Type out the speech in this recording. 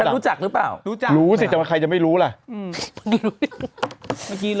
รู้จักหรือเปล่ารู้จักรู้สิแต่ว่าใครจะไม่รู้ล่ะ